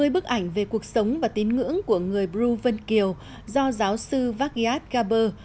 ba mươi bức ảnh về cuộc sống và tín ngưỡng của người bru vân kiều do giáo sư vagiat gaber